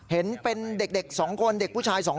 เห็นเป็นเด็ก๒คนเด็กผู้ชาย๒คน